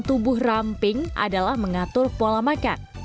tubuh ramping adalah mengatur pola makan